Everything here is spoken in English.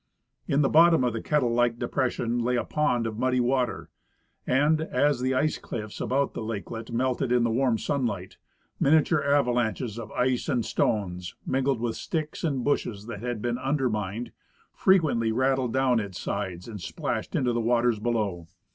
In the bottom of the kettle like depression lav a pond of muddy water, and, as the ice cliffs about the lakelet melted in the warm sunlight, miniature avalanches of ice and stones, mingled with sticks and bushes that had been under mined, frequently rattled down its sides and splashed into the waters below.